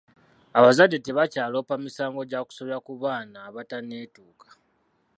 Abazadde tebakyaloopa misango gya kusobya ku baana abatanneetuuka.